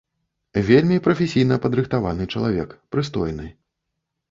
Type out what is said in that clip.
Вельмі прафесійна падрыхтаваны чалавек, прыстойны.